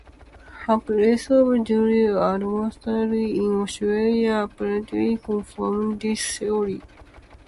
Her place of burial, Admont Abbey in Austria, apparently confirm this theory.